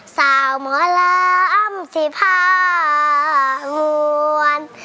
สาวหมอล้ำสีผาวน